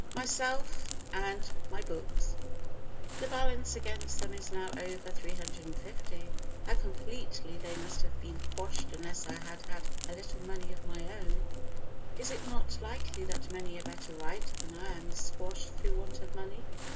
Myself and My Books The balance against them is now over £350. How completely they must have been squashed unless I had had a little money of my own. Is it not likely that many a better writer than I am is squashed through want of money?